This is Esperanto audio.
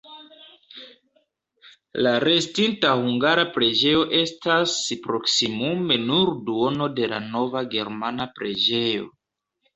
La restinta hungara preĝejo estas proksimume nur duono de la nova germana preĝejo.